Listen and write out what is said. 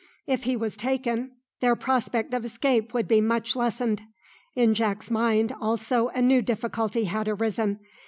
If he was taken their prospect of escape would be much lessened. In Jack's mind also a new difficulty had arisen.